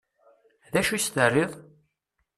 D acu i s-terriḍ?